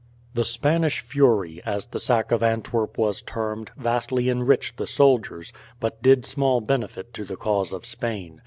The Spanish fury, as the sack of Antwerp was termed, vastly enriched the soldiers, but did small benefit to the cause of Spain.